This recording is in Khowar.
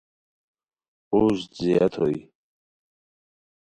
قوژد زیاد ہوئے